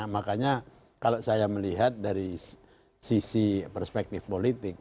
makanya kalau saya melihat dari sisi perspektif politik